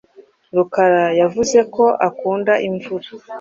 Rukara yavuze ko akunda imvura.